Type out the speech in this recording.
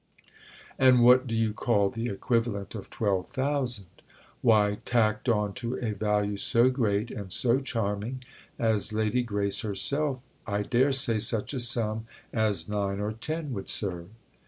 "And what do you call the equivalent of twelve thousand?" "Why, tacked on to a value so great and so charming as Lady Grace herself, I dare say such a sum as nine or ten would serve."